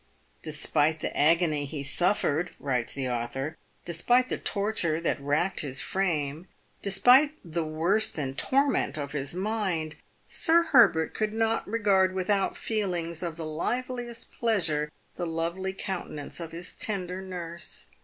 " Despite the agony he suffered," writes the author, " despite the torture that racked his frame, despite the worse than torment of his mind, Sir Herbert could not regard without feelings of the liveliest pleasure the lovely countenance of his tender nurse.